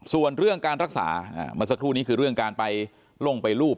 ส่วนเรื่องการรักษาเมื่อสักครู่นี้คือเรื่องการไปลงไปรูป